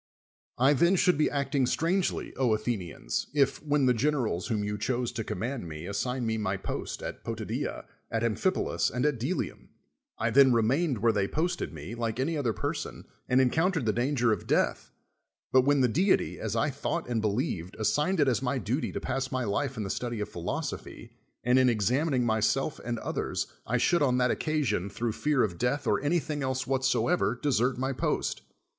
I then should be acting strangely, Athe nians, if. when the generals whom you chose to commar.d me assigiied me my post at Potida^a, at Amphipolis, and at Dclium, I then remained where they posted me, like any other person, and encountered the danger of death, but when the deity, as I thought and believed, assigned it as my duty to pass my life in the study of phil osophy, and in examining im'self and other.s, I should on that occasion, through fear of death or ajiylhing else whatsoever, desert my post.